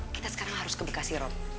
kita sekarang harus ke bikasirob